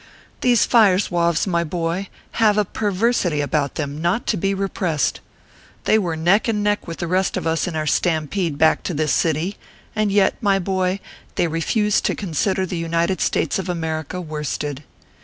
These Fire Zouaves, my boy, have a perversity about them not to be repressed. They were neck and neck with the rest of us in our stampede back to to this city ; and yet, my boy, they refuse to consider the United States of America worsted.